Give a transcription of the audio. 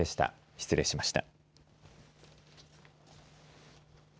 失礼しました。